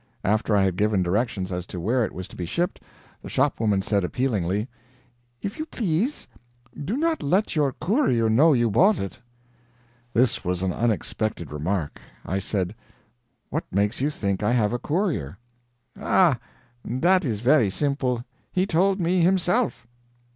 After I had given directions as to where it was to be shipped, the shopwoman said, appealingly: "If you please, do not let your courier know you bought it." This was an unexpected remark. I said: "What makes you think I have a courier?" "Ah, that is very simple; he told me himself."